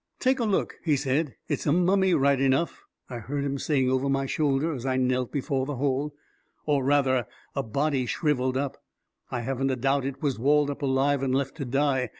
" Take a look," he said. " It's a mummy, right enough," I heard him saying over my shoulder as I knelt before the hole ;" or rather, a body shriv elled up — I haven't a doubt it was walled up alive and left to die.